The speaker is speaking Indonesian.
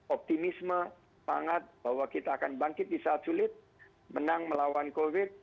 optimisme pangat bahwa kita akan bangkit di saat sulit menang melawan covid sembilan belas